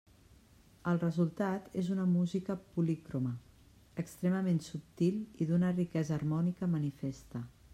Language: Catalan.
El resultat és una música policroma, extremament subtil i d'una riquesa harmònica manifesta.